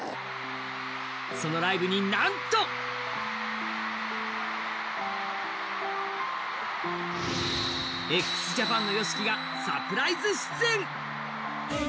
そのライブになんとＸＪＡＰＡＮのＹＯＳＨＩＫＩがサプライズ出演。